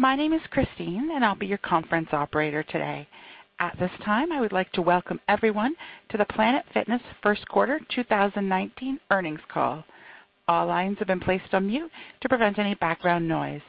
My name is Christine, and I'll be your conference operator today. At this time, I would like to welcome everyone to the Planet Fitness First Quarter 2019 earnings call. All lines have been placed on mute to prevent any background noise.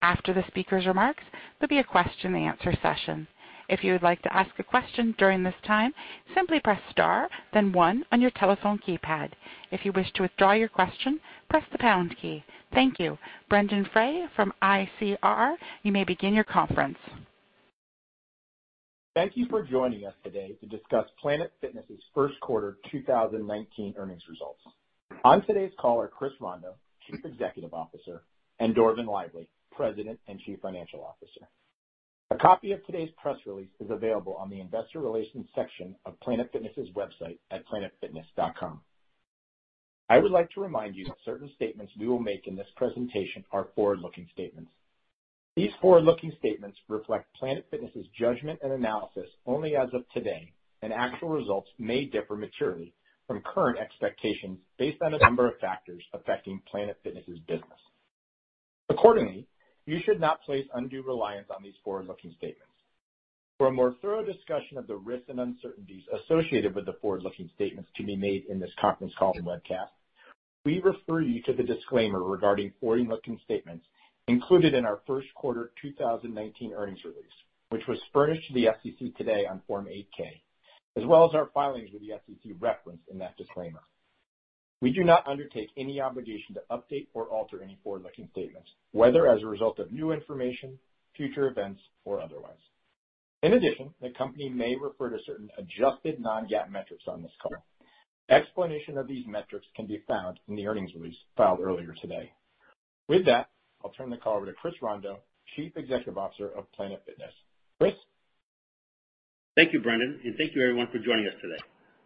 After the speaker's remarks, there'll be a question and answer session. If you would like to ask a question during this time, simply press star then one on your telephone keypad. If you wish to withdraw your question, press the pound key. Thank you. Brendon Frey from ICR, you may begin your conference. Thank you for joining us today to discuss Planet Fitness' first quarter 2019 earnings results. On today's call are Chris Rondeau, Chief Executive Officer, and Dorvin Lively, President and Chief Financial Officer. A copy of today's press release is available on the investor relations section of planetfitness.com. I would like to remind you that certain statements we will make in this presentation are forward-looking statements. These forward-looking statements reflect Planet Fitness' judgment and analysis only as of today, and actual results may differ materially from current expectations based on a number of factors affecting Planet Fitness's business. Accordingly, you should not place undue reliance on these forward-looking statements. For a more thorough discussion of the risks and uncertainties associated with the forward-looking statements to be made in this conference call and webcast, we refer you to the disclaimer regarding forward-looking statements included in our first quarter 2019 earnings release, which was furnished to the SEC today on Form 8-K, as well as our filings with the SEC referenced in that disclaimer. We do not undertake any obligation to update or alter any forward-looking statements, whether as a result of new information, future events, or otherwise. In addition, the company may refer to certain adjusted non-GAAP metrics on this call. Explanation of these metrics can be found in the earnings release filed earlier today. With that, I'll turn the call over to Chris Rondeau, Chief Executive Officer of Planet Fitness. Chris? Thank you, Brendon, and thank you, everyone, for joining us today.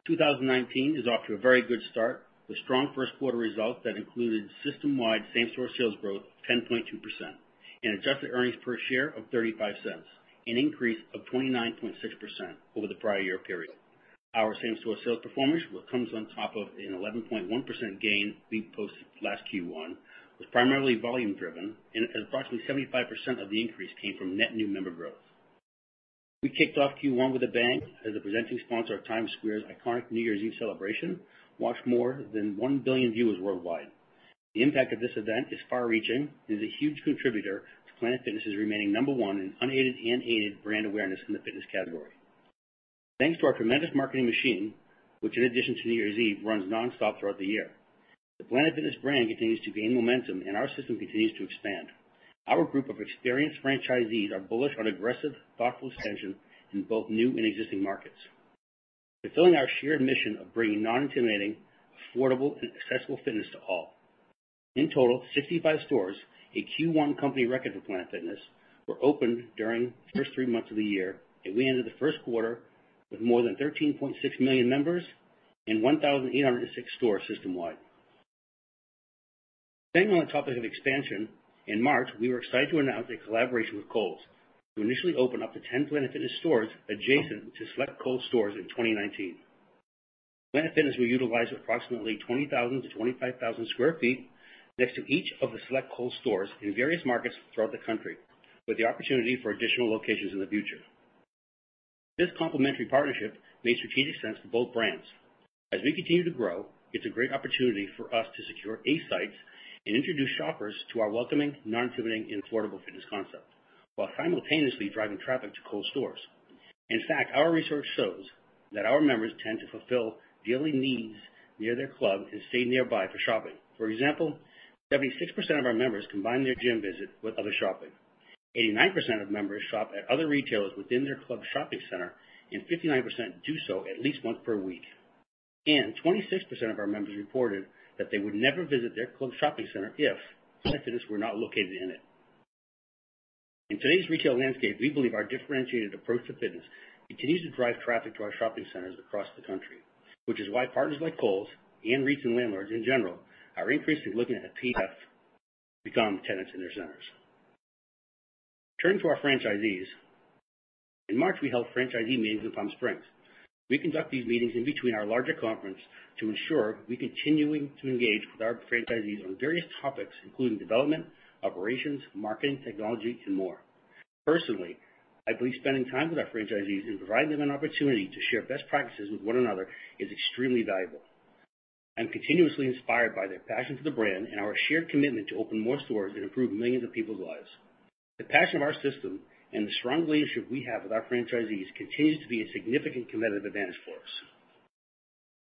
2019 is off to a very good start with strong first quarter results that included system-wide same-store sales growth of 10.2% and adjusted earnings per share of $0.35, an increase of 29.6% over the prior year period. Our same-store sales performance, which comes on top of an 11.1% gain we posted last Q1, was primarily volume driven and approximately 75% of the increase came from net new member growth. We kicked off Q1 with a bang as the presenting sponsor of Times Square's iconic New Year's Eve celebration, watched more than 1 billion viewers worldwide. The impact of this event is far-reaching and is a huge contributor to Planet Fitness's remaining number 1 in unaided and aided brand awareness in the fitness category. Thanks to our tremendous marketing machine, which in addition to New Year's Eve, runs non-stop throughout the year. The Planet Fitness brand continues to gain momentum, and our system continues to expand. Our group of experienced franchisees are bullish on aggressive, thoughtful expansion in both new and existing markets. Fulfilling our shared mission of bringing non-intimidating, affordable, and accessible fitness to all. In total, 65 stores, a Q1 company record for Planet Fitness, were opened during the first three months of the year, and we ended the first quarter with more than 13.6 million members and 1,806 stores system-wide. Staying on the topic of expansion, in March, we were excited to announce a collaboration with Kohl's to initially open up to 10 Planet Fitness stores adjacent to select Kohl's stores in 2019. Planet Fitness will utilize approximately 20,000-25,000 sq ft next to each of the select Kohl's stores in various markets throughout the country, with the opportunity for additional locations in the future. This complementary partnership made strategic sense for both brands. As we continue to grow, it's a great opportunity for us to secure A sites and introduce shoppers to our welcoming, non-intimidating, and affordable fitness concept, while simultaneously driving traffic to Kohl's stores. In fact, our research shows that our members tend to fulfill daily needs near their club and stay nearby for shopping. For example, 76% of our members combine their gym visit with other shopping. 89% of members shop at other retailers within their club shopping center, and 59% do so at least once per week. 26% of our members reported that they would never visit their club shopping center if Planet Fitness were not located in it. In today's retail landscape, we believe our differentiated approach to fitness continues to drive traffic to our shopping centers across the country, which is why partners like Kohl's and retail landlords, in general, are increasingly looking at PF to become tenants in their centers. Turning to our franchisees. In March, we held franchisee meetings in Palm Springs. We conduct these meetings in between our larger conference to ensure we continuing to engage with our franchisees on various topics, including development, operations, marketing, technology, and more. Personally, I believe spending time with our franchisees and providing them an opportunity to share best practices with one another is extremely valuable. I'm continuously inspired by their passion for the brand and our shared commitment to open more stores and improve millions of people's lives. The passion of our system and the strong relationship we have with our franchisees continues to be a significant competitive advantage for us.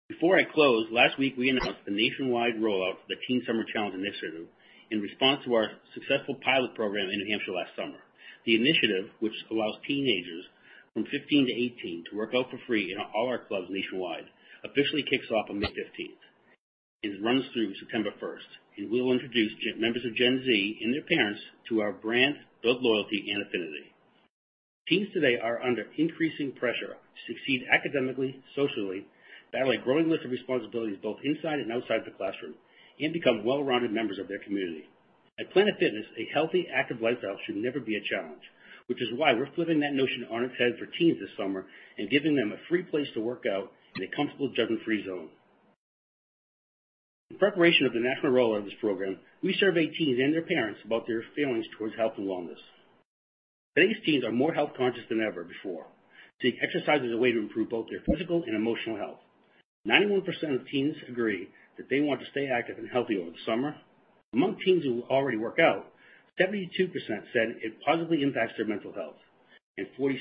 Before I close, last week, we announced the nationwide rollout of the Teen Summer Challenge Initiative in response to our successful pilot program in New Hampshire last summer. The initiative, which allows teenagers from 15 to 18 to work out for free in all our clubs nationwide, officially kicks off on May 15th and runs through September 1st, and we will introduce members of Gen Z and their parents to our brand, build loyalty, and affinity. Teens today are under increasing pressure to succeed academically, socially, battle a growing list of responsibilities both inside and outside the classroom, and become well-rounded members of their community. At Planet Fitness, a healthy, active lifestyle should never be a challenge, which is why we're flipping that notion on its head for teens this summer and giving them a free place to work out in a comfortable, judgment-free zone. In preparation of the National Rollout of this program, we surveyed teens and their parents about their feelings towards health and wellness. Today's teens are more health-conscious than ever before, seeing exercise as a way to improve both their physical and emotional health. 91% of teens agree that they want to stay active and healthy over the summer. Among teens who already work out, 72% said it positively impacts their mental health, 47%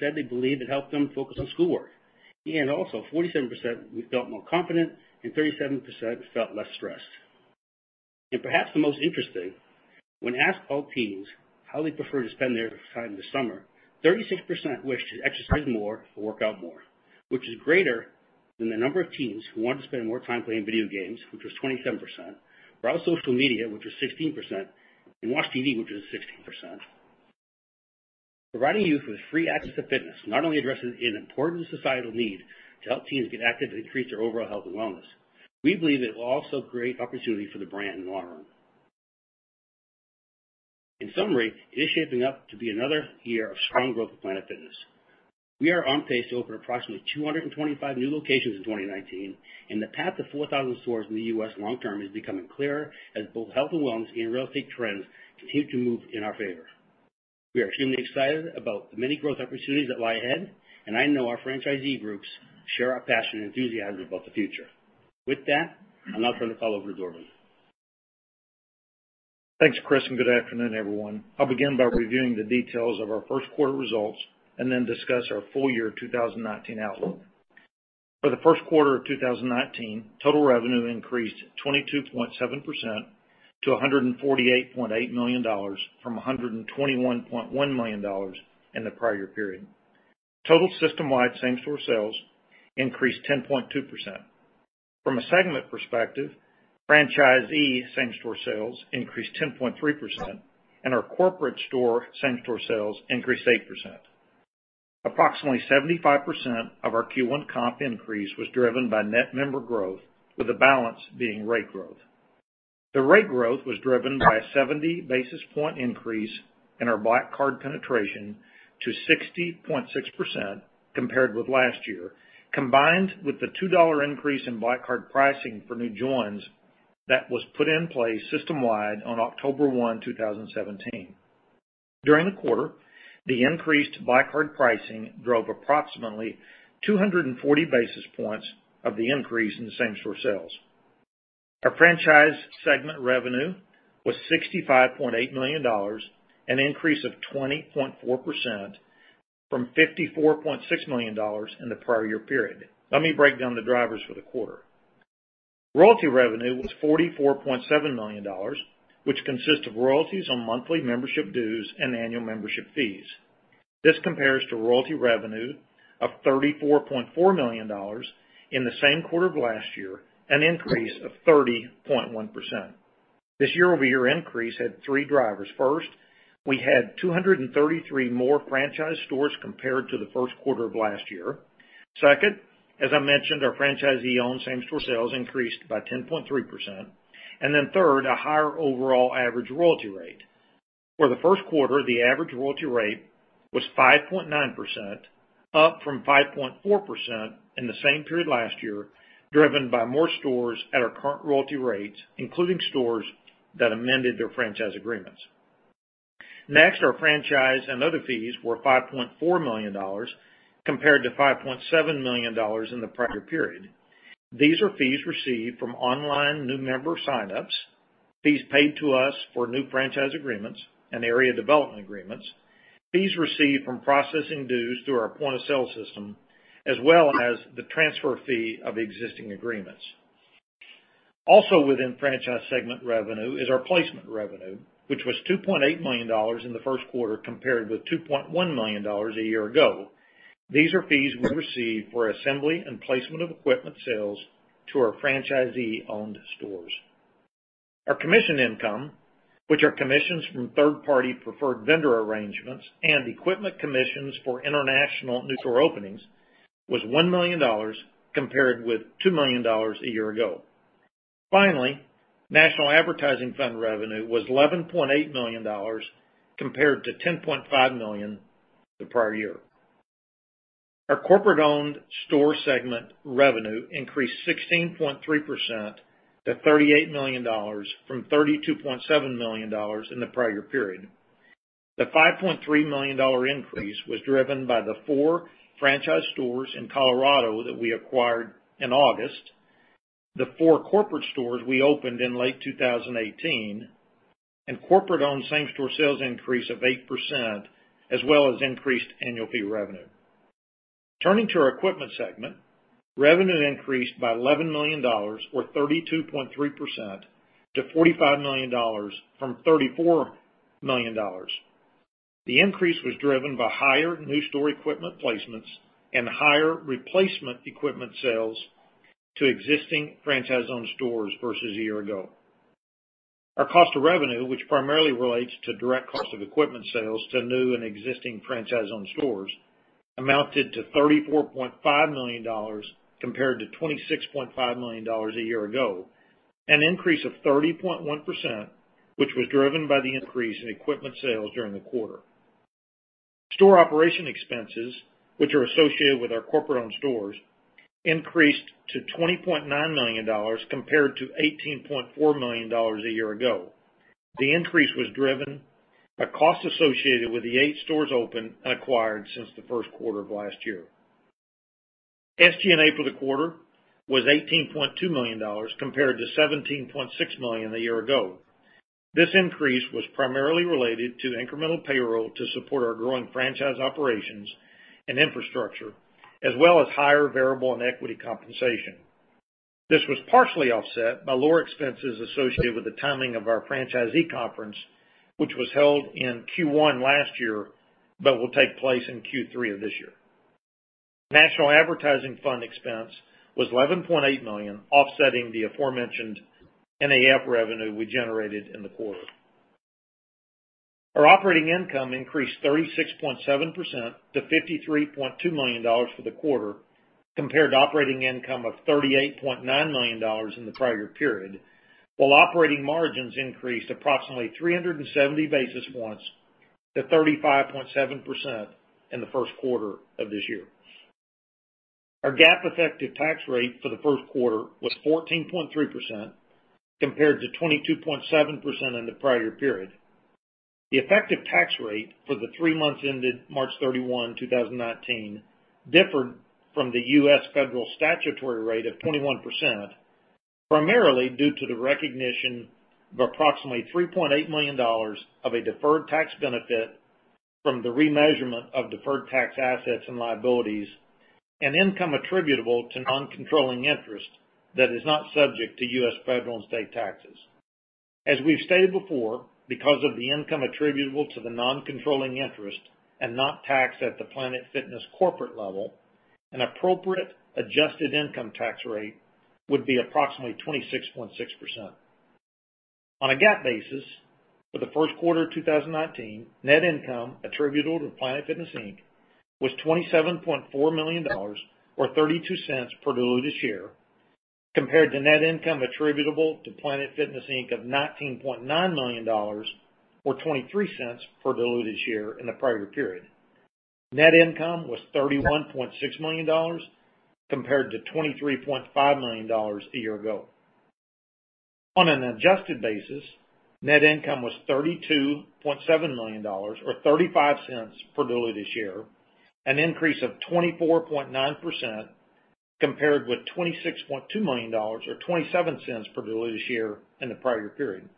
said they believe it helped them focus on schoolwork. Also, 47% felt more confident and 37% felt less stressed. Perhaps the most interesting, when asked by teens how they prefer to spend their time this summer, 36% wish to exercise more or work out more, which is greater than the number of teens who want to spend more time playing video games, which was 27%, browse social media, which was 16%, and watch TV, which was 16%. Providing youth with free access to fitness not only addresses an important societal need to help teens get active and increase their overall health and wellness, we believe it will also create opportunity for the brand in the long run. In summary, it is shaping up to be another year of strong growth for Planet Fitness. We are on pace to open approximately 225 new locations in 2019, and the path to 4,000 stores in the U.S. long term is becoming clearer as both health and wellness and real estate trends continue to move in our favor. We are extremely excited about the many growth opportunities that lie ahead, and I know our franchisee groups share our passion and enthusiasm about the future. With that, I'll now turn the call over to Dorvin. Thanks, Chris, and good afternoon, everyone. I'll begin by reviewing the details of our first quarter results and then discuss our full year 2019 outlook. For the first quarter of 2019, total revenue increased 22.7% to $148.8 million from $121.1 million in the prior period. Total system-wide same-store sales increased 10.2%. From a segment perspective, franchisee same-store sales increased 10.3% and our corporate store same-store sales increased 8%. Approximately 75% of our Q1 comp increase was driven by net member growth, with the balance being rate growth. The rate growth was driven by a 70 basis point increase in our PF Black Card penetration to 60.6% compared with last year, combined with the $2 increase in PF Black Card pricing for new joins that was put in place system-wide on October 1, 2017. During the quarter, the increased PF Black Card pricing drove approximately 240 basis points of the increase in same-store sales. Our franchise segment revenue was $65.8 million, an increase of 20.4% from $54.6 million in the prior year period. Let me break down the drivers for the quarter. Royalty revenue was $44.7 million, which consists of royalties on monthly membership dues and annual membership fees. This compares to royalty revenue of $34.4 million in the same quarter of last year, an increase of 30.1%. This year-over-year increase had three drivers. First, we had 233 more franchise stores compared to the first quarter of last year. Second, as I mentioned, our franchisee-owned same-store sales increased by 10.3%. Third, a higher overall average royalty rate. For the first quarter, the average royalty rate was 5.9%, up from 5.4% in the same period last year, driven by more stores at our current royalty rates, including stores that amended their franchise agreements. Our franchise and other fees were $5.4 million, compared to $5.7 million in the prior period. These are fees received from online new member sign-ups, fees paid to us for new franchise agreements and area development agreements, fees received from processing dues through our point-of-sale system, as well as the transfer fee of existing agreements. Also within franchise segment revenue is our placement revenue, which was $2.8 million in the first quarter, compared with $2.1 million a year ago. These are fees we receive for assembly and placement of equipment sales to our franchisee-owned stores. Our commission income, which are commissions from third-party preferred vendor arrangements and equipment commissions for international new store openings, was $1 million, compared with $2 million a year ago. National Advertising Fund revenue was $11.8 million, compared to $10.5 million the prior year. Our corporate-owned store segment revenue increased 16.3% to $38 million from $32.7 million in the prior period. The $5.3 million increase was driven by the four franchise stores in Colorado that we acquired in August, the four corporate stores we opened in late 2018, and corporate-owned same-store sales increase of 8%, as well as increased annual fee revenue. Turning to our equipment segment, revenue increased by $11 million or 32.3% to $45 million from $34 million. The increase was driven by higher new store equipment placements and higher replacement equipment sales to existing franchise-owned stores versus a year ago. Our cost of revenue, which primarily relates to direct cost of equipment sales to new and existing franchise-owned stores, amounted to $34.5 million, compared to $26.5 million a year ago, an increase of 30.1%, which was driven by the increase in equipment sales during the quarter. Store operation expenses, which are associated with our corporate-owned stores, increased to $20.9 million compared to $18.4 million a year ago. The increase was driven by costs associated with the eight stores open and acquired since the first quarter of last year. SG&A for the quarter was $18.2 million, compared to $17.6 million a year ago. This increase was primarily related to incremental payroll to support our growing franchise operations and infrastructure, as well as higher variable and equity compensation. This was partially offset by lower expenses associated with the timing of our franchisee conference, which was held in Q1 last year, but will take place in Q3 of this year. National advertising fund expense was $11.8 million, offsetting the aforementioned NAF revenue we generated in the quarter. Our operating income increased 36.7% to $53.2 million for the quarter, compared to operating income of $38.9 million in the prior period, while operating margins increased approximately 370 basis points to 35.7% in the first quarter of this year. Our GAAP effective tax rate for the first quarter was 14.3%, compared to 22.7% in the prior period. The effective tax rate for the three months ended March 31, 2019, differed from the U.S. federal statutory rate of 21%, primarily due to the recognition of approximately $3.8 million of a deferred tax benefit from the remeasurement of deferred tax assets and liabilities and income attributable to non-controlling interest that is not subject to U.S. federal and state taxes. As we've stated before, because of the income attributable to the non-controlling interest and not taxed at the Planet Fitness corporate level, an appropriate adjusted income tax rate would be approximately 26.6%. On a GAAP basis for the first quarter of 2019, net income attributable to Planet Fitness, Inc. was $27.4 million, or $0.32 per diluted share, compared to net income attributable to Planet Fitness, Inc. of $19.9 million, or $0.23 per diluted share in the prior period. Net income was $31.6 million compared to $23.5 million a year ago. On an adjusted basis, net income was $32.7 million, or $0.35 per diluted share, an increase of 24.9% compared with $26.2 million or $0.27 per diluted share in the prior period.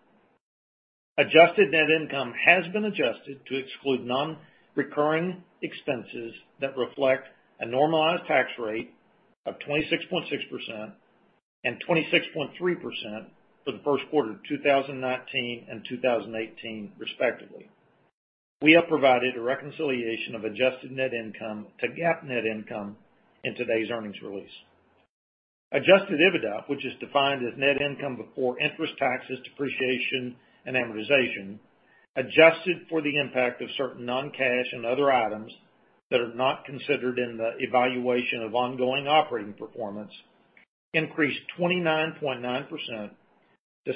Adjusted net income has been adjusted to exclude non-recurring expenses that reflect a normalized tax rate of 26.6% and 26.3% for the first quarter of 2019 and 2018 respectively. We have provided a reconciliation of adjusted net income to GAAP net income in today's earnings release. Adjusted EBITDA, which is defined as net income before interest, taxes, depreciation, and amortization, adjusted for the impact of certain non-cash and other items that are not considered in the evaluation of ongoing operating performance, increased 29.9% to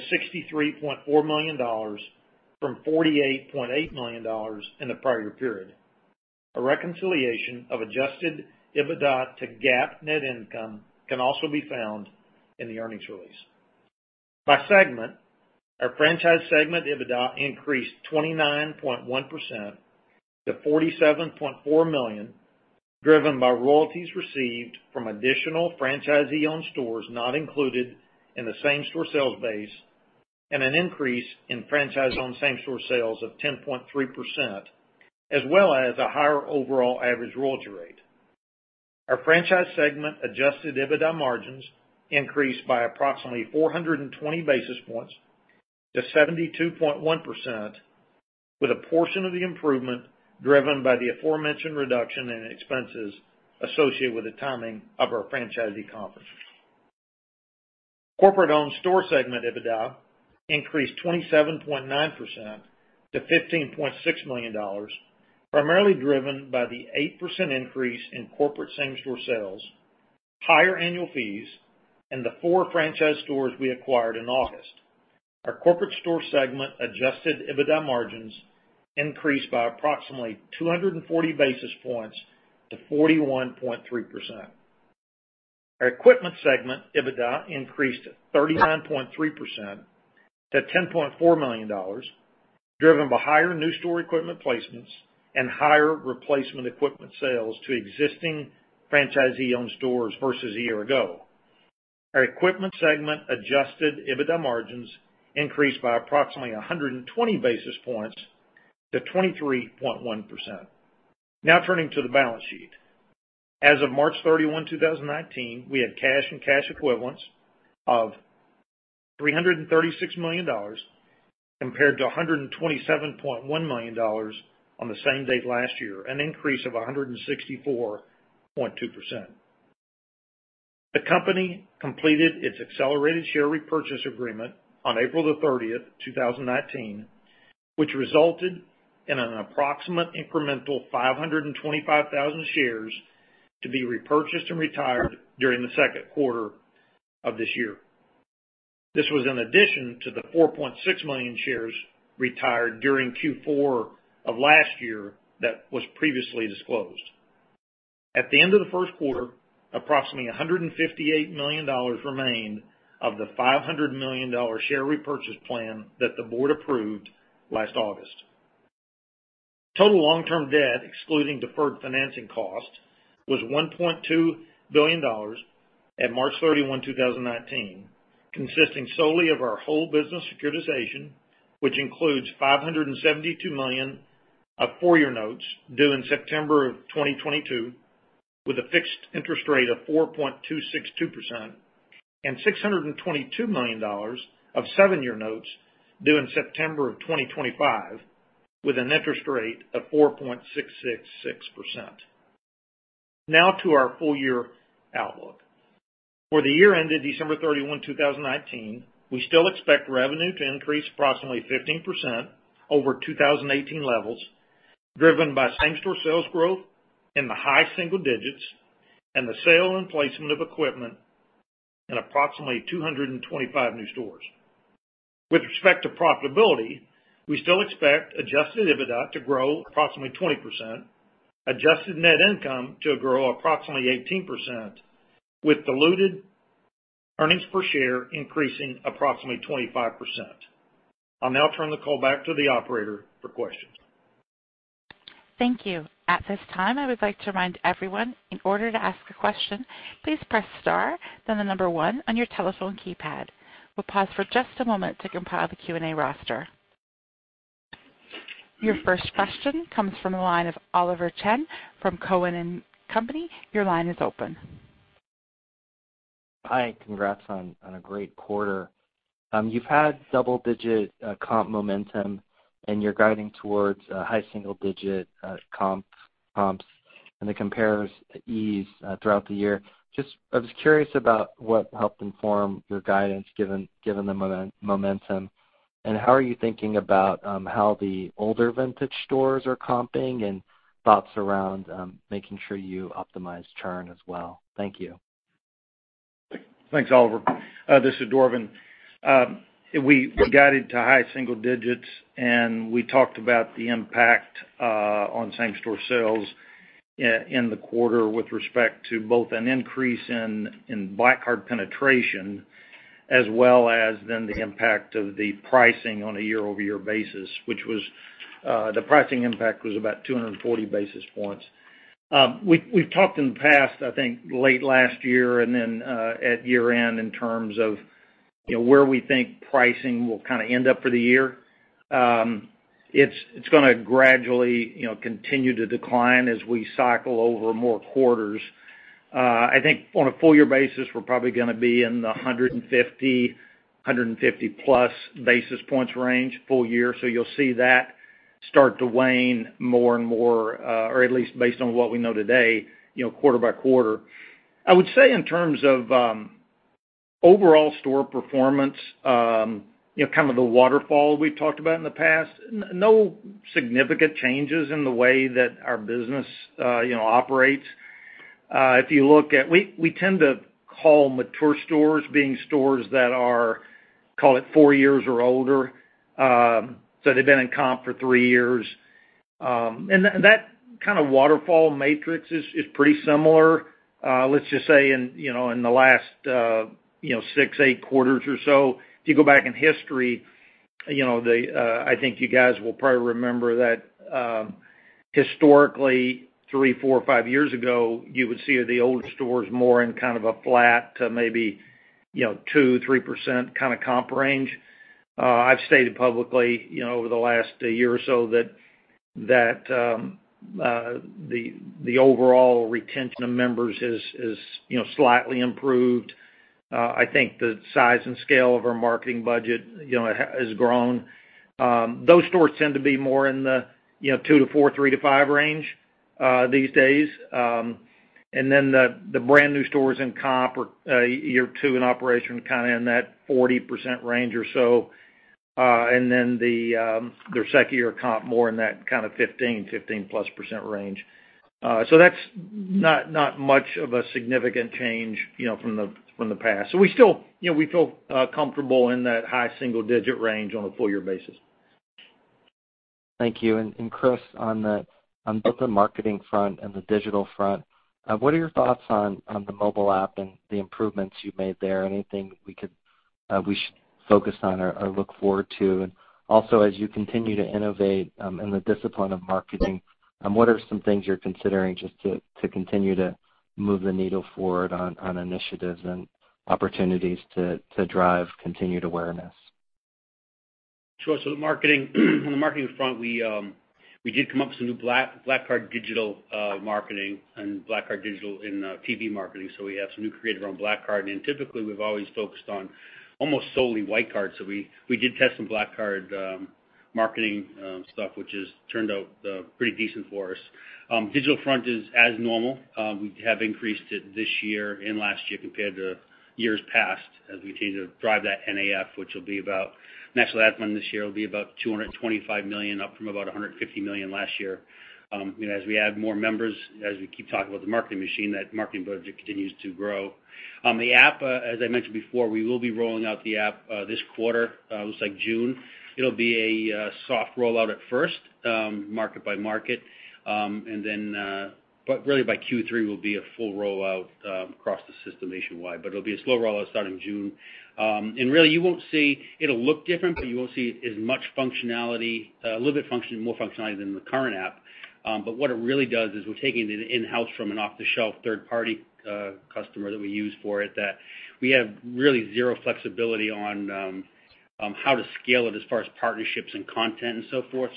$63.4 million from $48.8 million in the prior period. A reconciliation of adjusted EBITDA to GAAP net income can also be found in the earnings release. By segment, our franchise segment EBITDA increased 29.1% to $47.4 million, driven by royalties received from additional franchisee-owned stores not included in the same-store sales base and an increase in franchise-owned same-store sales of 10.3%, as well as a higher overall average royalty rate. Our franchise segment adjusted EBITDA margins increased by approximately 420 basis points to 72.1%, with a portion of the improvement driven by the aforementioned reduction in expenses associated with the timing of our franchisee conferences. Corporate-owned store segment EBITDA increased 27.9% to $15.6 million, primarily driven by the 8% increase in corporate same-store sales, higher annual fees, and the four franchise stores we acquired in August. Our corporate store segment adjusted EBITDA margins increased by approximately 240 basis points to 41.3%. Our equipment segment EBITDA increased 39.3% to $10.4 million, driven by higher new store equipment placements and higher replacement equipment sales to existing franchisee-owned stores versus a year ago. Our equipment segment adjusted EBITDA margins increased by approximately 120 basis points to 23.1%. Now, turning to the balance sheet. As of March 31, 2019, we had cash and cash equivalents of $336 million compared to $127.1 million on the same date last year, an increase of 164.2%. The company completed its accelerated share repurchase agreement on April the 30th, 2019, which resulted in an approximate incremental 525,000 shares to be repurchased and retired during the second quarter of this year. This was in addition to the 4.6 million shares retired during Q4 of last year that was previously disclosed. At the end of the first quarter, approximately $158 million remained of the $500 million share repurchase plan that the board approved last August. Total long-term debt, excluding deferred financing cost, was $1.2 billion at March 31, 2019, consisting solely of our whole business securitization, which includes $572 million of four-year notes due in September of 2022 with a fixed interest rate of 4.262% and $622 million of seven-year notes due in September of 2025 with an interest rate of 4.666%. Now to our full-year outlook. For the year ended December 31, 2019, we still expect revenue to increase approximately 15% over 2018 levels, driven by same-store sales growth in the high single digits and the sale and placement of equipment in approximately 225 new stores. With respect to profitability, we still expect adjusted EBITDA to grow approximately 20%, adjusted net income to grow approximately 18%, with diluted earnings per share increasing approximately 25%. I'll now turn the call back to the operator for questions. Thank you. At this time, I would like to remind everyone, in order to ask a question, please press star, then the number one on your telephone keypad. We'll pause for just a moment to compile the Q&A roster. Your first question comes from the line of Oliver Chen from Cowen and Company. Your line is open. Hi, congrats on a great quarter. You've had double-digit comp momentum and you're guiding towards high single-digit comps and the compares ease throughout the year. I was curious about what helped inform your guidance given the momentum, and how are you thinking about how the older vintage stores are comping and thoughts around making sure you optimize churn as well. Thank you. Thanks, Oliver. This is Dorvin. We guided to high single digits and we talked about the impact on same-store sales in the quarter with respect to both an increase in PF Black Card penetration as well as then the impact of the pricing on a year-over-year basis, which the pricing impact was about 240 basis points. We've talked in the past, I think late last year and then at year-end in terms of where we think pricing will end up for the year. It's going to gradually continue to decline as we cycle over more quarters. I think on a full year basis, we're probably going to be in the 150+ basis points range full year. You'll see that start to wane more and more, or at least based on what we know today, quarter by quarter. I would say in terms of overall store performance, the waterfall we've talked about in the past, no significant changes in the way that our business operates. We tend to call mature stores being stores that are, call it four years or older, so they've been in comp for three years. That kind of waterfall matrix is pretty similar, let's just say in the last six, eight quarters or so. If you go back in history, I think you guys will probably remember that historically, three, four, five years ago, you would see the old stores more in kind of a flat to maybe 2%-3% kind of comp range. I've stated publicly over the last year or so that the overall retention of members has slightly improved. I think the size and scale of our marketing budget has grown. Those stores tend to be more in the 2%-4%, 3%-5% range these days. The brand new stores in comp are year two in operation, kind of in that 40% range or so. Their second year comp more in that kind of 15%, 15+% range. That's not much of a significant change from the past. We feel comfortable in that high single-digit range on a full year basis. Thank you. Chris, on both the marketing front and the digital front, what are your thoughts on the mobile app and the improvements you've made there? Anything we should focus on or look forward to? As you continue to innovate in the discipline of marketing, what are some things you're considering just to continue to move the needle forward on initiatives and opportunities to drive continued awareness? Sure. On the marketing front, we did come up with some new PF Black Card digital marketing and PF Black Card digital in TV marketing. We have some new creative around PF Black Card. Typically, we've always focused on almost solely White Card. We did test some PF Black Card marketing stuff, which has turned out pretty decent for us. Digital front is as normal. We have increased it this year and last year compared to years past as we continue to drive that NAF, national ad spend this year will be about $225 million, up from about $150 million last year. As we add more members, as we keep talking about the marketing machine, that marketing budget continues to grow. The app, as I mentioned before, we will be rolling out the app this quarter, looks like June. It'll be a soft rollout at first, market by market. Really by Q3 will be a full rollout across the system nationwide, but it'll be a slow rollout starting June. Really, it'll look different, but you won't see as much functionality. A little bit more functionality than the current app. What it really does is we're taking it in-house from an off-the-shelf third-party customer that we use for it that we have really zero flexibility on how to scale it as far as partnerships and content and so forth.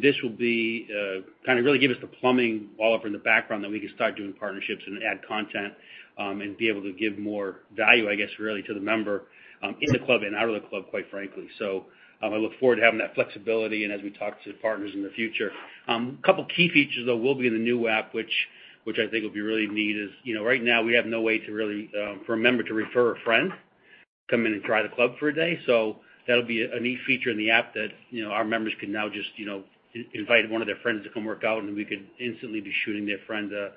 This will really give us the plumbing all up in the background that we can start doing partnerships and add content, and be able to give more value, I guess, really to the member in the club and out of the club, quite frankly. I look forward to having that flexibility and as we talk to partners in the future. Couple key features, though, will be in the new app, which I think will be really neat, is right now we have no way for a member to refer a friend, come in and try the club for a day. That'll be a neat feature in the app that our members can now just invite one of their friends to come work out and we could instantly be shooting their friend the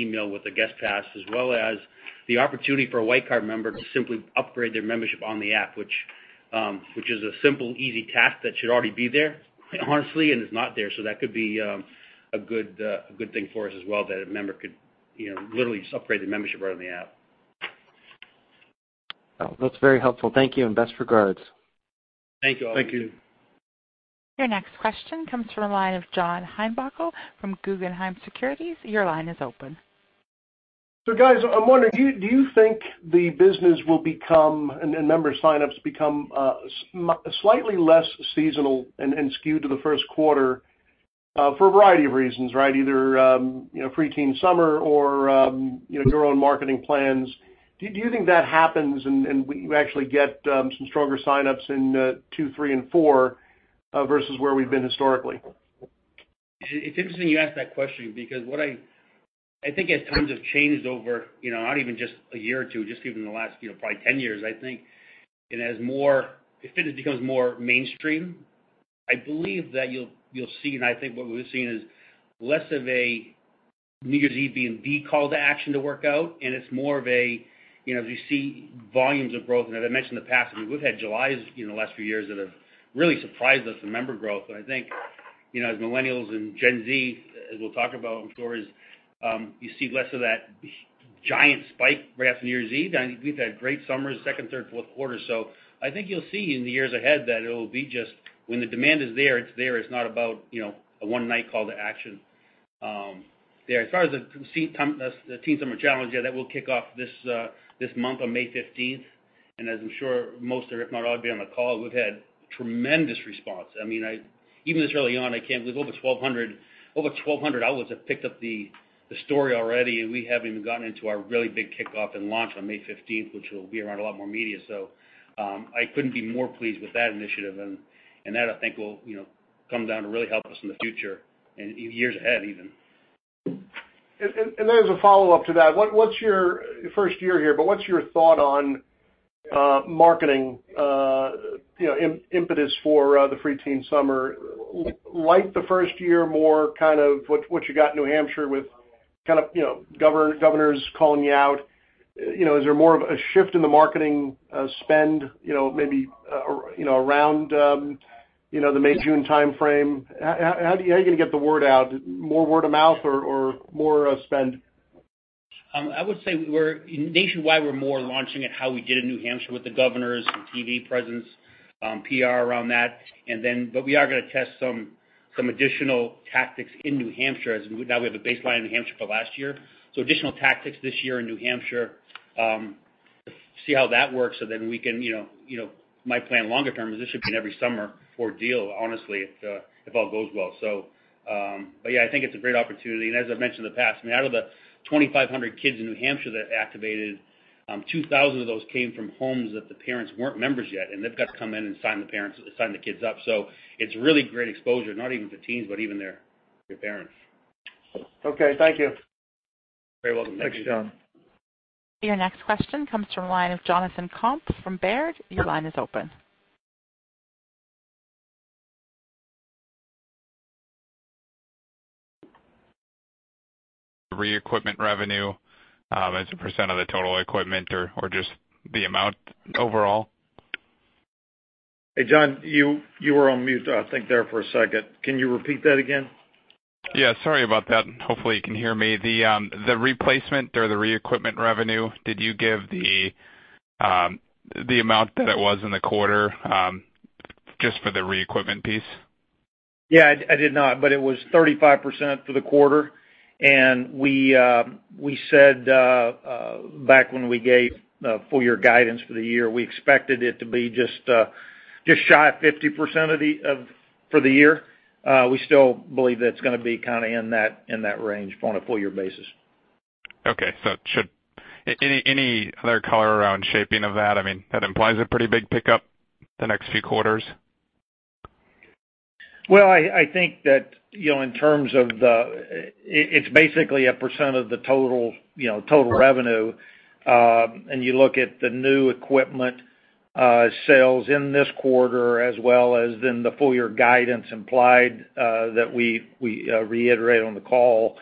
email with a guest pass as well as the opportunity for a White Card member to simply upgrade their membership on the app, which is a simple, easy task that should already be there, honestly, and is not there. That could be a good thing for us as well, that a member could literally just upgrade their membership right on the app. Well, that's very helpful. Thank you, and best regards. Thank you all. Thank you. Your next question comes from the line of John Heinbockel from Guggenheim Securities. Your line is open. Guys, I'm wondering, do you think the business will become, and member sign-ups become slightly less seasonal and skewed to the first quarter for a variety of reasons, right? Either Free Teen Summer or your own marketing plans. Do you think that happens and you actually get some stronger sign-ups in two, three, and four, versus where we've been historically? It's interesting you ask that question because I think as times have changed over, not even just a year or two, just even in the last probably 10 years, I think as fitness becomes more mainstream, I believe that you'll see, and I think what we've seen is less of a New Year's Eve and V call to action to work out, and it's more of a, as you see volumes of growth and as I mentioned in the past, I mean, we've had Julys in the last few years that have really surprised us in member growth. I think, as millennials and Gen Z, as we'll talk about in stories you see less of that giant spike right after New Year's Eve. We've had great summers, second, third, fourth quarter. I think you'll see in the years ahead that it'll be just when the demand is there, it's there. It's not about a one-night call to action there. As far as the Teen Summer Challenge, yeah, that will kick off this month on May 15th, and as I'm sure most or if not all of you on the call, we've had tremendous response. Even this early on, I can't believe over 1,200 outlets have picked up the story already, and we haven't even gotten into our really big kickoff and launch on May 15th, which will be around a lot more media. I couldn't be more pleased with that initiative, and that I think will come down to really help us in the future and years ahead even. As a follow-up to that, first you're here, but what's your thought on marketing impetus for the Free Teen Summer? Like the first year, more what you got in New Hampshire with governors calling you out. Is there more of a shift in the marketing spend maybe around the May, June timeframe? How are you going to get the word out? More word of mouth or more spend? I would say nationwide we're more launching it how we did in New Hampshire with the governors and TV presence, PR around that. We are going to test some additional tactics in New Hampshire, as now we have a baseline in New Hampshire for last year. Additional tactics this year in New Hampshire to see how that works, my plan longer term is this should be an every summer ordeal, honestly, if all goes well. Yeah, I think it's a great opportunity. As I've mentioned in the past, out of the 2,500 kids in New Hampshire that activated, 2,000 of those came from homes that the parents weren't members yet, and they've got to come in and sign the kids up. It's really great exposure, not even to teens, but even their parents. Okay. Thank you. You're very welcome. Thank you. Thanks, John. Your next question comes from the line of Jonathan Komp from Baird. Your line is open. Reequipment revenue as a % of the total equipment or just the amount overall? Hey, John, you were on mute, I think there for a second. Can you repeat that again? Yeah, sorry about that. Hopefully you can hear me. The replacement or the reequipment revenue, did you give the amount that it was in the quarter just for the reequipment piece? Yeah, I did not, but it was 35% for the quarter. We said back when we gave full year guidance for the year, we expected it to be just shy of 50% for the year. We still believe that it's going to be in that range on a full year basis. Okay. Any other color around shaping of that? That implies a pretty big pickup the next few quarters. Well, I think that it's basically a percent of the total revenue. You look at the new equipment sales in this quarter as well as in the full year guidance implied, that we reiterate on the call.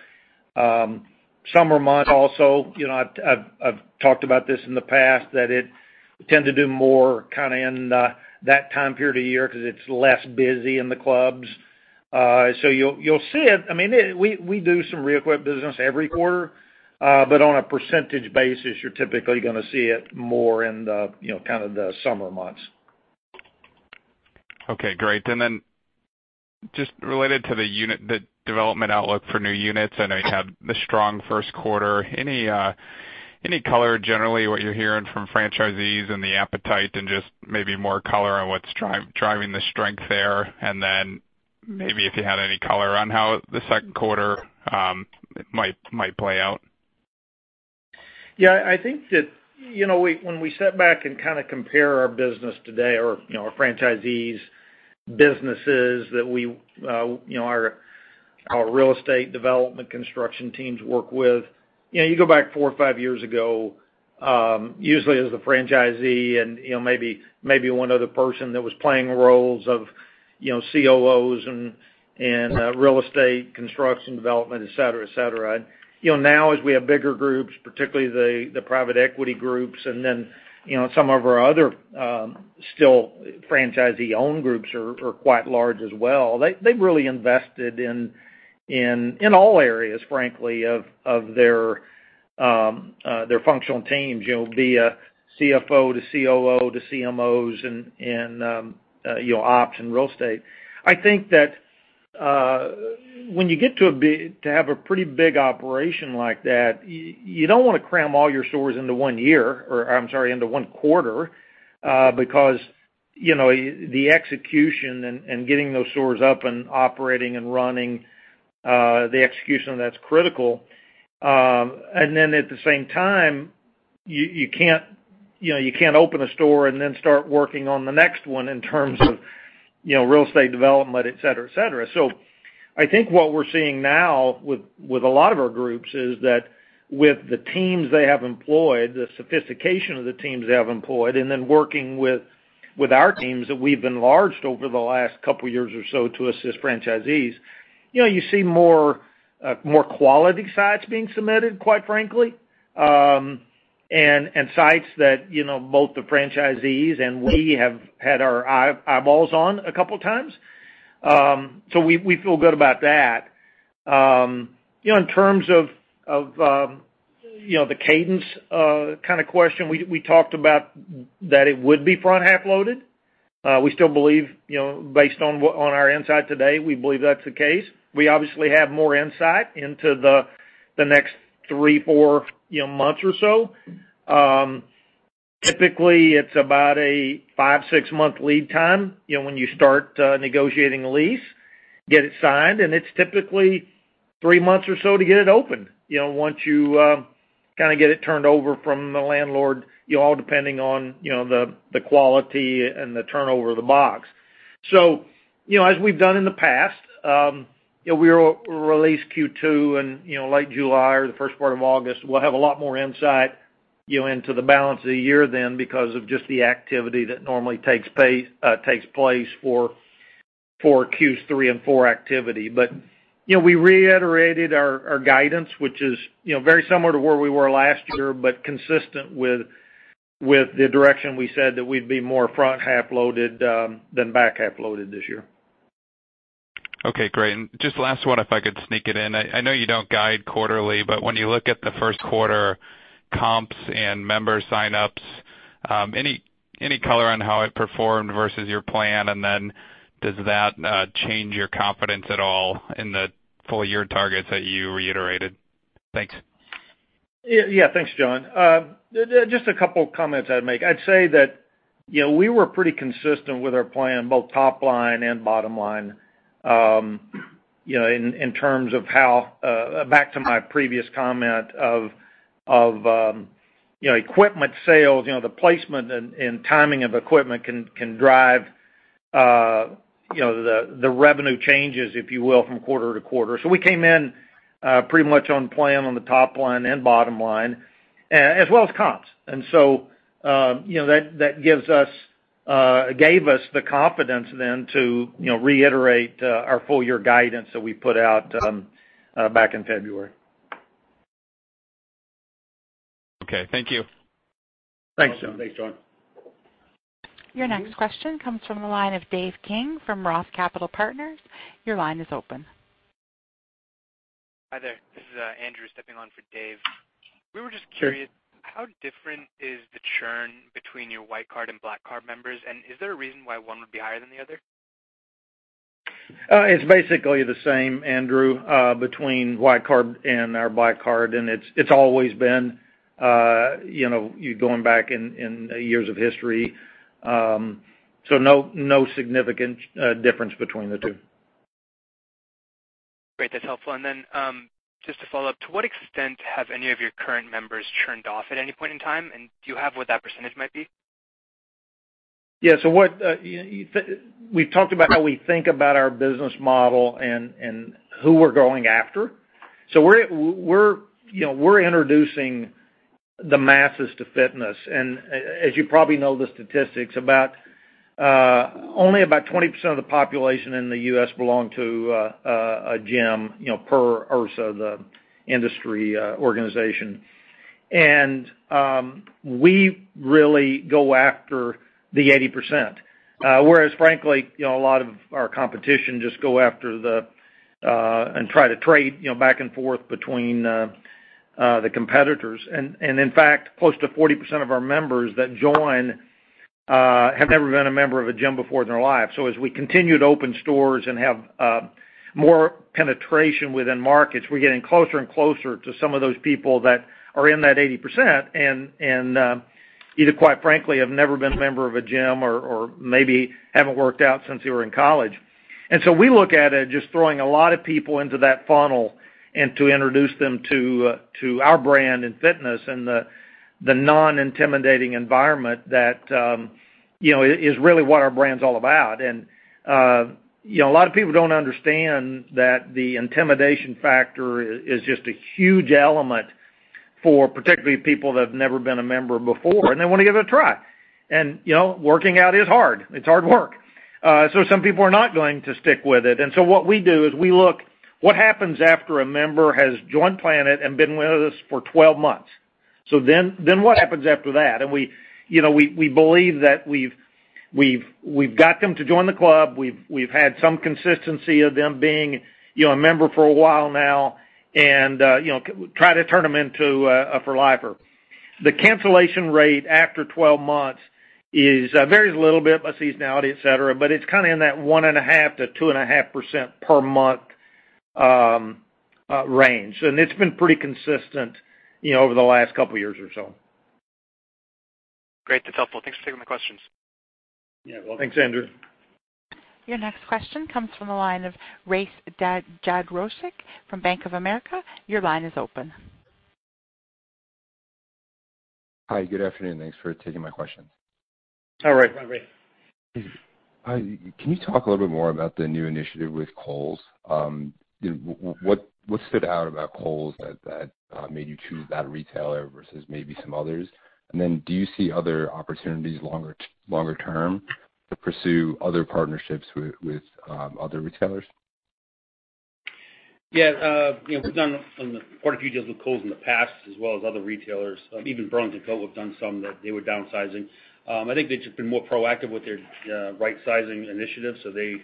Summer month also, I've talked about this in the past, that it tend to do more kind of in that time period of year because it's less busy in the clubs. You'll see it. We do some re-equip business every quarter. On a percentage basis, you're typically going to see it more in the summer months. Okay, great. Just related to the development outlook for new units, I know you had the strong first quarter. Any color generally what you're hearing from franchisees and the appetite and just maybe more color on what's driving the strength there, maybe if you had any color on how the second quarter might play out? I think that when we sit back and compare our business today, our franchisees businesses that our real estate development construction teams work with, you go back four or five years ago, usually it was the franchisee and maybe one other person that was playing roles of COOs and real estate construction development, et cetera. Now as we have bigger groups, particularly the private equity groups and then some of our other still franchisee-owned groups are quite large as well. They've really invested in all areas, frankly, of their functional teams, be it CFO to COO to CMOs and ops and real estate. I think that when you get to have a pretty big operation like that, you don't want to cram all your stores into one quarter, because the execution and getting those stores up and operating and running, the execution of that's critical. At the same time, you can't open a store and then start working on the next one in terms of real estate development, et cetera. I think what we're seeing now with a lot of our groups is that with the teams they have employed, the sophistication of the teams they have employed, and then working with our teams that we've enlarged over the last couple years or so to assist franchisees. You see more quality sites being submitted, quite frankly, and sites that both the franchisees and we have had our eyeballs on a couple times. We feel good about that. In terms of the cadence kind of question, we talked about that it would be front-half loaded. Based on our insight today, we believe that's the case. We obviously have more insight into the next three, four months or so. Typically, it's about a five, six-month lead time, when you start negotiating a lease, get it signed, and it's typically three months or so to get it open. Once you kind of get it turned over from the landlord, all depending on the quality and the turnover of the box. As we've done in the past, we'll release Q2 in late July or the first part of August. We'll have a lot more insight into the balance of the year then because of just the activity that normally takes place for Q3 and four activity. We reiterated our guidance, which is very similar to where we were last year, but consistent with the direction we said that we'd be more front-half loaded than back-half loaded this year. Okay, great. Just last one, if I could sneak it in. I know you don't guide quarterly, but when you look at the first quarter comps and member sign-ups, any color on how it performed versus your plan, and does that change your confidence at all in the full-year targets that you reiterated? Thanks. Yeah. Thanks, John. Just a couple of comments I'd make. I'd say that we were pretty consistent with our plan, both top line and bottom line, in terms of back to my previous comment of equipment sales, the placement and timing of equipment can drive the revenue changes, if you will, from quarter-to-quarter. We came in pretty much on plan on the top line and bottom line, as well as comps. That gave us the confidence then to reiterate our full-year guidance that we put out back in February. Okay. Thank you. Thanks, John. Thanks, John. Your next question comes from the line of David King from Roth Capital Partners. Your line is open. Hi there. This is Andrew stepping on for Dave. Sure. We were just curious, how different is the churn between your Classic Card and Black Card members, and is there a reason why one would be higher than the other? It's basically the same, Andrew, between White Card and our Black Card, and it's always been, going back in years of history. No significant difference between the two. Great. That's helpful. Just a follow-up, to what extent have any of your current members churned off at any point in time? Do you have what that percentage might be? We've talked about how we think about our business model and who we're going after. We're introducing the masses to fitness. As you probably know the statistics, only about 20% of the population in the U.S. belong to a gym, per IHRSA, the industry organization. We really go after the 80%, whereas frankly, a lot of our competition just go after and try to trade back and forth between the competitors. In fact, close to 40% of our members that join have never been a member of a gym before in their life. As we continue to open stores and have more penetration within markets, we're getting closer and closer to some of those people that are in that 80% and either, quite frankly, have never been a member of a gym or maybe haven't worked out since they were in college. We look at it as just throwing a lot of people into that funnel and to introduce them to our brand and fitness and the non-intimidating environment that is really what our brand is all about. A lot of people don't understand that the intimidation factor is just a huge element for particularly people that have never been a member before, and they want to give it a try. Working out is hard. It's hard work. Some people are not going to stick with it. What we do is we look what happens after a member has joined Planet and been with us for 12 months. What happens after that? We believe that we've got them to join the club, we've had some consistency of them being a member for a while now and try to turn them into a for-lifer. The cancellation rate after 12 months varies a little bit by seasonality, et cetera, but it's kind of in that 1.5%-2.5% per month range. It's been pretty consistent over the last couple of years or so. Great. That's helpful. Thanks for taking my questions. Well, thanks, Andrew. Your next question comes from the line of Rafe Jadrosich from Bank of America. Your line is open. Hi, good afternoon. Thanks for taking my question. Hi, Rafe. Can you talk a little bit more about the new initiative with Kohl's? What stood out about Kohl's that made you choose that retailer versus maybe some others? Then do you see other opportunities longer term to pursue other partnerships with other retailers? Yeah. We've done quite a few deals with Kohl's in the past as well as other retailers. Even Burlington Coat we've done some that they were downsizing. I think they've just been more proactive with their right-sizing initiative. They,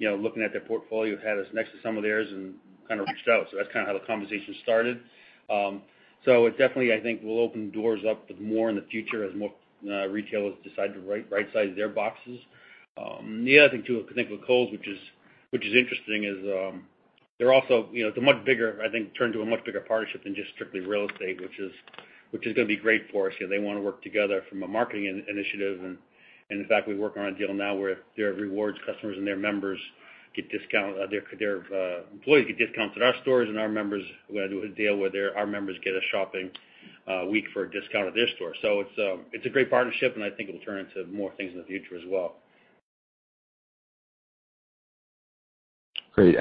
looking at their portfolio, had us next to some of theirs and kind of reached out. That's kind of how the conversation started. It definitely, I think, will open doors up more in the future as more retailers decide to right-size their boxes. The other thing too, I think with Kohl's, which is interesting, is they're also, it's a much bigger, I think, turned to a much bigger partnership than just strictly real estate, which is going to be great for us. They want to work together from a marketing initiative. In fact, we're working on a deal now where their employees get discounts at our stores and our members. We're going to do a deal where our members get a shopping week for a discount at their store. It's a great partnership, and I think it'll turn into more things in the future as well. Great.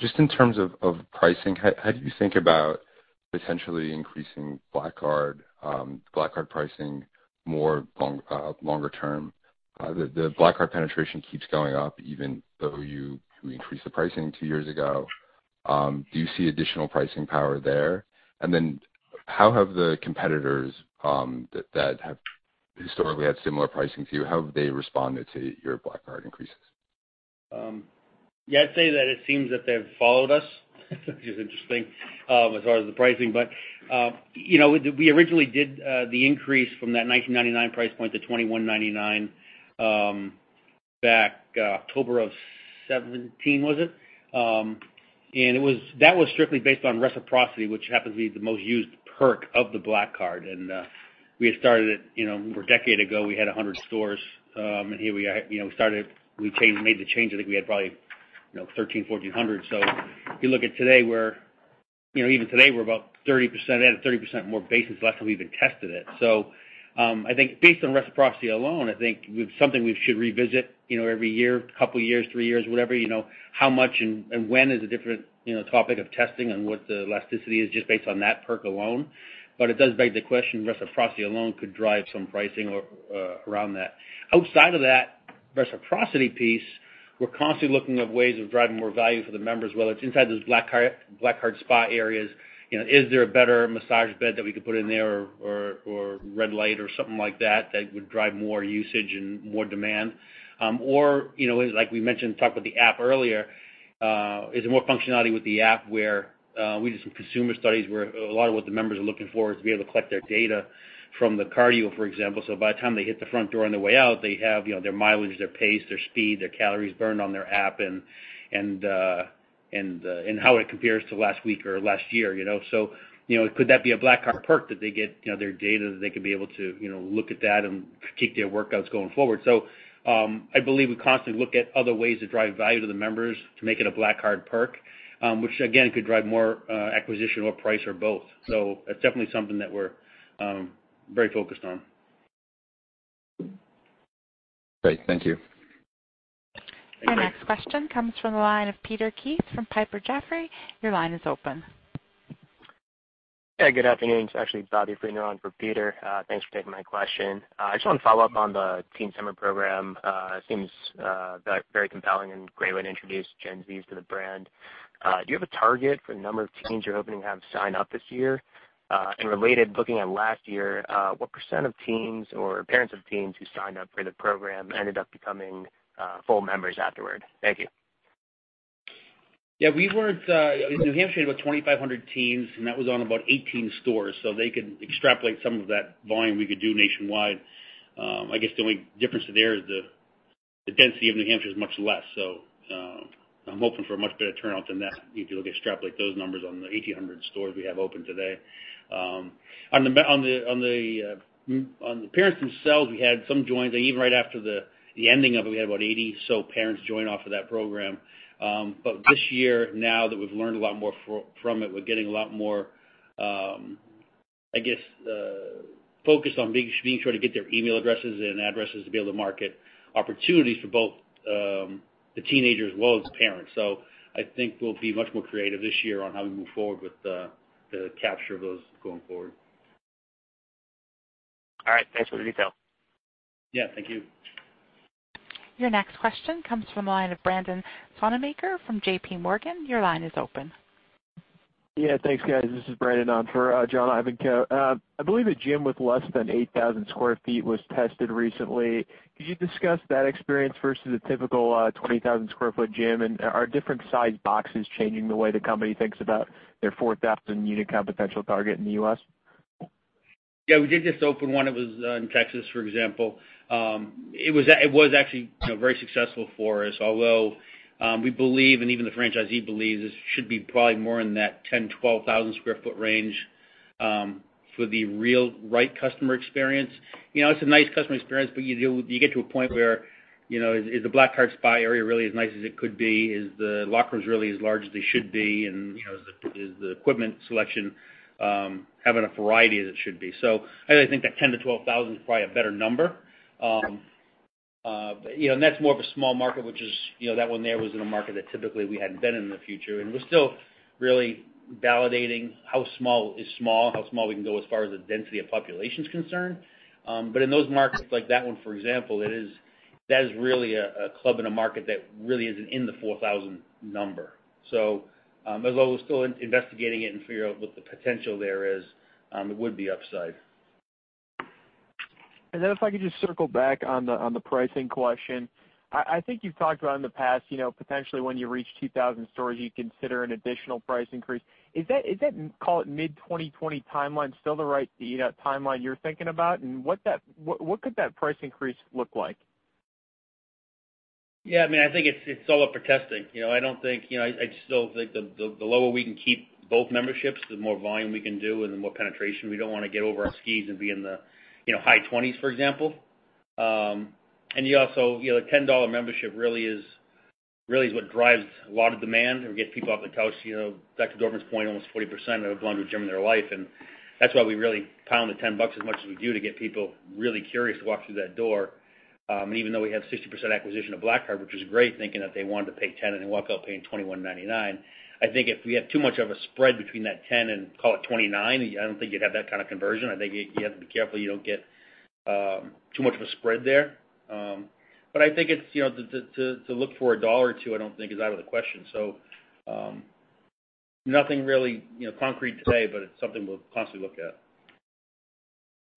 Just in terms of pricing, how do you think about potentially increasing Black Card pricing more longer term? The Black Card penetration keeps going up even though you increased the pricing two years ago. Do you see additional pricing power there? How have the competitors that have historically had similar pricing to you, how have they responded to your Black Card increases? I'd say that it seems that they've followed us, which is interesting, as far as the pricing. We originally did the increase from that $19.99 price point to $21.99 back October of 2017, was it? That was strictly based on reciprocity, which happens to be the most used perk of the Black Card. We had started it, over a decade ago, we had 100 stores. Here we are. We made the change, I think we had probably 1,300, 1,400. If you look at today, even today we're about 30% ahead, 30% more basis last time we even tested it. I think based on reciprocity alone, I think something we should revisit every year, couple years, three years, whatever, how much and when is a different topic of testing and what the elasticity is just based on that perk alone. It does beg the question, reciprocity alone could drive some pricing around that. Outside of that reciprocity piece, we're constantly looking at ways of driving more value for the members, whether it's inside those Black Card spot areas, is there a better massage bed that we could put in there or red light or something like that would drive more usage and more demand? Like we mentioned, talked about the app earlier, is there more functionality with the app where we did some consumer studies where a lot of what the members are looking for is to be able to collect their data from the cardio, for example. By the time they hit the front door on their way out, they have their mileage, their pace, their speed, their calories burned on their app and. How it compares to last week or last year. Could that be a Black Card perk that they get their data that they can be able to look at that and keep their workouts going forward. I believe we constantly look at other ways to drive value to the members to make it a Black Card perk, which again, could drive more acquisition or price or both. That's definitely something that we're very focused on. Great. Thank you. Your next question comes from the line of Peter Keith from Piper Jaffray. Your line is open. Hey, good afternoon. It's actually Bobby Griffin on for Peter. Thanks for taking my question. I just want to follow up on the Teen Summer Challenge. It seems very compelling and a great way to introduce Gen Z to the brand. Do you have a target for the number of teens you're hoping to have sign up this year? Related, looking at last year, what % of teens or parents of teens who signed up for the program ended up becoming full members afterward? Thank you. Yeah, we worked, in New Hampshire, we had about 2,500 teens, and that was on about 18 stores. They could extrapolate some of that volume we could do nationwide. I guess the only difference there is the density of New Hampshire is much less. I'm hoping for a much better turnout than that if you look at extrapolate those numbers on the 1,800 stores we have open today. On the parents themselves, we had some join, even right after the ending of it, we had about 80 or so parents join off of that Teen Summer Challenge. This year, now that we've learned a lot more from it, we're getting a lot more, I guess, focus on being sure to get their email addresses and addresses to be able to market opportunities for both the teenager as well as the parent. I think we'll be much more creative this year on how we move forward with the capture of those going forward. All right. Thanks for the detail. Yeah, thank you. Your next question comes from the line of Brandon Sonnemaker from JPMorgan. Your line is open. Yeah, thanks, guys. This is Brandon on for John Ivankoe. I believe a gym with less than 8,000 sq ft was tested recently. Could you discuss that experience versus a typical 20,000 sq ft gym? Are different-sized boxes changing the way the company thinks about their 4,000 unit count potential target in the U.S.? Yeah, we did just open one. It was in Texas, for example. It was actually very successful for us, although, we believe, and even the franchisee believes, it should be probably more in that 10,000-12,000 sq ft range for the right customer experience. It's a nice customer experience, but you get to a point where, is the Black Card spa area really as nice as it could be? Is the lockers really as large as they should be? Is the equipment selection having a variety as it should be? I really think that 10,000-12,000 is probably a better number. That's more of a small market, which is, that one there was in a market that typically we hadn't been in the future. We're still really validating how small is small, how small we can go as far as the density of population is concerned. In those markets like that one, for example, that is really a club in a market that really isn't in the 4,000 number. As well, we're still investigating it and figure out what the potential there is. It would be upside. If I could just circle back on the pricing question. I think you've talked about in the past, potentially when you reach 2,000 stores, you consider an additional price increase. Is that, call it mid-2020 timeline, still the right timeline you're thinking about, and what could that price increase look like? I think it's all up for testing. I still think the lower we can keep both memberships, the more volume we can do and the more penetration. We don't want to get over our skis and be in the high twenties, for example. You also, the $10 membership really is what drives a lot of demand and gets people off the couch. Back to Dorvin's point, almost 40% have never joined a gym in their life, and that's why we really pound the $10 bucks as much as we do to get people really curious to walk through that door. Even though we have 60% acquisition of PF Black Card, which is great, thinking that they wanted to pay ten and they walk out paying $21.99, I think if we have too much of a spread between that ten and, call it 29, I don't think you'd have that kind of conversion. I think you have to be careful you don't get too much of a spread there. I think to look for a dollar or two, I don't think is out of the question. Nothing really concrete today, but it's something we'll constantly look at.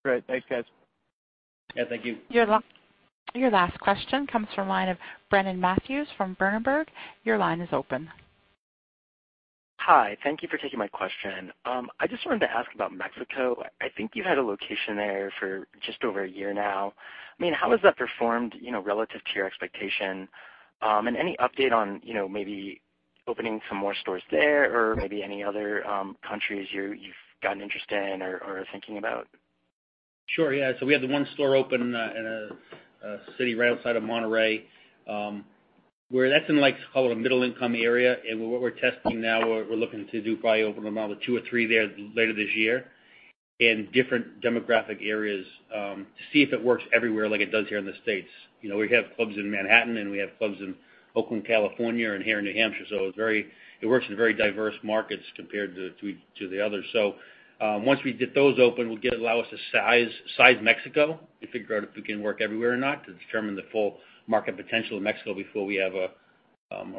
Great. Thanks, guys. Yeah, thank you. Your last question comes from line of Brennan Matthews from Berenberg. Your line is open. Hi. Thank you for taking my question. I just wanted to ask about Mexico. I think you've had a location there for just over a year now. How has that performed relative to your expectation? Any update on maybe opening some more stores there or maybe any other countries you've gotten interested in or are thinking about? Sure, yeah. We have the one store open in a city right outside of Monterrey, where that's in, let's call it a middle-income area. What we're testing now, we're looking to do probably open around two or three there later this year in different demographic areas, to see if it works everywhere like it does here in the States. We have clubs in Manhattan, and we have clubs in Oakland, California, and here in New Hampshire, so it works in very diverse markets compared to the others. Once we get those open, it'll allow us to size Mexico to figure out if we can work everywhere or not to determine the full market potential of Mexico before we have a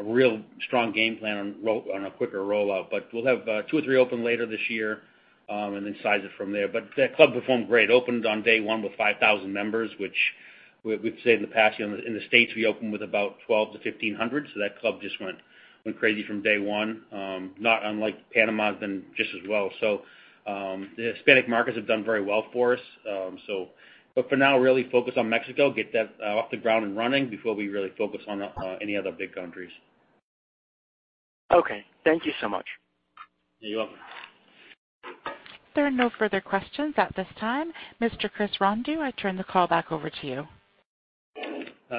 real strong game plan on a quicker rollout. We'll have two or three open later this year, and then size it from there. That club performed great. Opened on day 1 with 5,000 members, which we've said in the past, in the U.S., we open with about 1,200 to 1,500. That club just went crazy from day 1. Not unlike Panama, has been just as well. The Hispanic markets have done very well for us. For now, really focus on Mexico, get that off the ground and running before we really focus on any other big countries. Okay. Thank you so much. You're welcome. There are no further questions at this time. Mr. Chris Rondeau, I turn the call back over to you.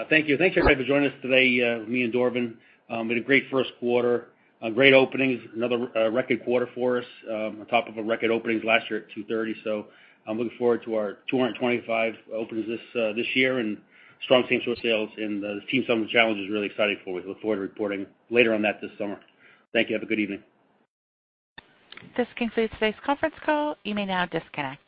Thank you. Thank you, everybody, for joining us today, me and Dorvin. We had a great first quarter, great openings, another record quarter for us on top of a record openings last year at 230. I'm looking forward to our 225 openings this year and strong same-store sales and the Teen Summer Challenge is really exciting for us. Look forward to reporting later on that this summer. Thank you. Have a good evening. This concludes today's conference call. You may now disconnect.